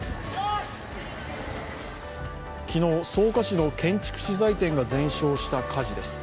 昨日、草加市の建築資材店が全焼した火事です。